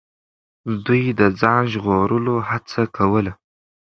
دوی د ځان ژغورلو هڅه کوله.